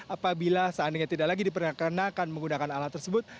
apabila seandainya tidak lagi diperkenalkan menggunakan alat tersebut